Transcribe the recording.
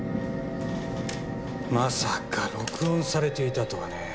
まさか録音されていたとはね。